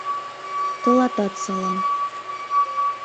Тылатат салам.